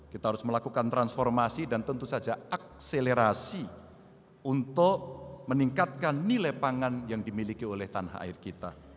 kita harus melakukan transformasi dan tentu saja akselerasi untuk meningkatkan nilai pangan yang dimiliki oleh tanah air kita